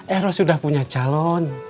elos sudah punya calon